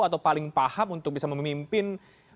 atau paling paham untuk bisa memimpin